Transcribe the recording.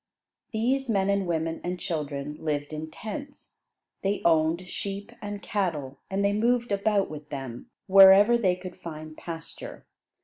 These men and women and children lived in tents. They owned sheep and cattle, and they moved about with them, wherever they could find pasture.